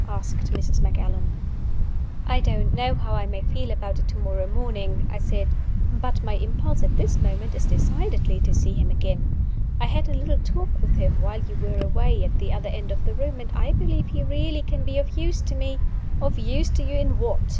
asked Mrs. Macallan. "I don't know how I may feel about it tomorrow morning," I said; "but my impulse at this moment is decidedly to see him again. I had a little talk with him while you were away at the other end of the room, and I believe he really can be of use to me " "Of use to you in what?"